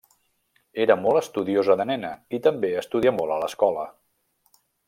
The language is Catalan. Era molt estudiosa de nena, i també estudià molt a l'escola.